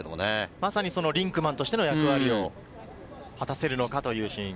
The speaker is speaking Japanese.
まさにリンクマンとしての役割を果たせるのかというシーン。